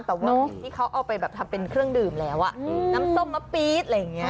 แต่ว่าที่เขาเอาไปแบบทำเป็นเครื่องดื่มแล้วน้ำส้มมะปี๊ดอะไรอย่างนี้